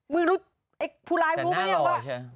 มึงรู้ไอ้ผู้ร้ายรู้มั้ยเนี่ยว่าแต่น่ารอใช่